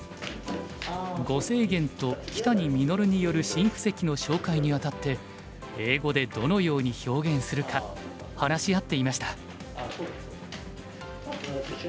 呉清源と木谷實による新布石の紹介にあたって英語でどのように表現するか話し合っていました。